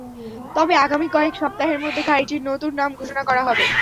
তবে আগামী কয়েক সপ্তাহের মধ্যে গাড়িটির নতুন নাম ঘোষণা করা হবে।